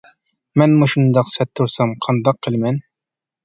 مەن مۇشۇنداق سەت تۇرسام قانداق قىلىمەن.